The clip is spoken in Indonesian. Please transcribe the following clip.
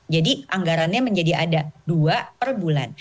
anggarannya menjadi ada dua per bulan